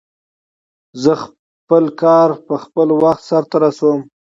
زه به خپل کار په خپل وخت سرته ورسوم